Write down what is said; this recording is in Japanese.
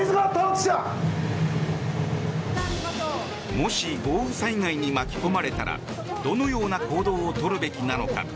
もし豪雨災害に巻き込まれたらどのような行動をとるべきなのか。